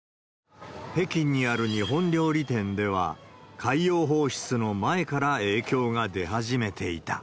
北京にある日本料理店では、海洋放出の前から影響が出始めていた。